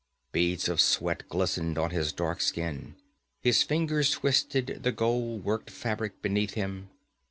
Beads of sweat glistened on his dark skin; his fingers twisted the gold worked fabric beneath him.